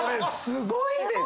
すごーい。